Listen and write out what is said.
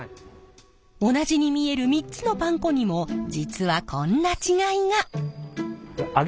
同じに見える３つのパン粉にも実はこんな違いが！へえ。